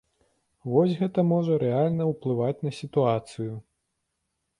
Вось гэта можа рэальна ўплываць на сітуацыю.